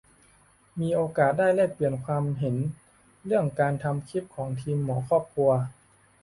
มีโอกาสได้ไปแลกเปลี่ยนความเห็นเรื่องการทำคลิปของทีมหมอครอบครัว